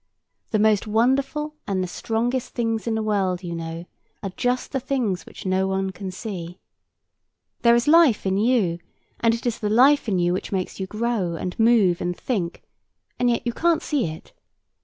The most wonderful and the strongest things in the world, you know, are just the things which no one can see. There is life in you; and it is the life in you which makes you grow, and move, and think: and yet you can't see it.